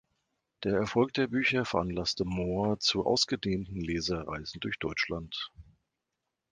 Der Erfolg der Bücher veranlasste Moor zu ausgedehnten Lesereisen durch Deutschland.